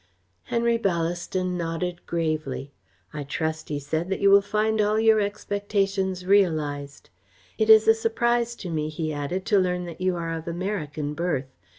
Henry Ballaston nodded gravely. "I trust," he said, "that you will find all your expectations realised. It is a surprise to me," he added, "to learn that you are of American birth.